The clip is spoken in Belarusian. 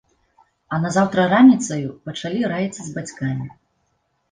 А назаўтра раніцаю пачалі раіцца з бацькамі.